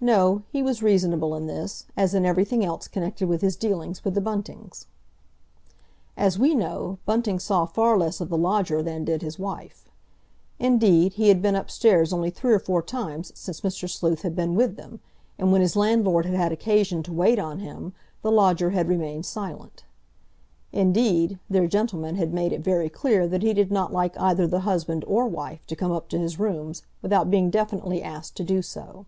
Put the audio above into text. No, he was reasonable in this, as in everything else connected with his dealings with the Buntings. As we know, Bunting saw far less of the lodger than did his wife. Indeed, he had been upstairs only three or four times since Mr. Sleuth had been with them, and when his landlord had had occasion to wait on him the lodger had remained silent. Indeed, their gentleman had made it very clear that he did not like either the husband or wife to come up to his rooms without being definitely asked to do so.